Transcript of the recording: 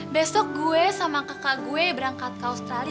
besok gue sama kakak gue berangkat ke australia